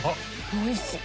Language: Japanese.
おいしい！